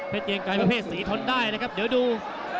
เกียงไกรประเภทสีทนได้นะครับเดี๋ยวดู